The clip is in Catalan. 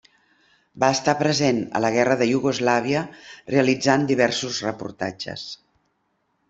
Va estar present a la guerra de Iugoslàvia, realitzant diversos reportatges.